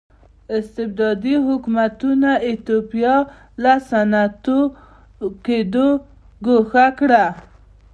استبدادي حکومتونو ایتوپیا له صنعتي کېدو ګوښه کړه.